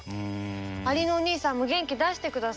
アリのお兄さんも元気出してください。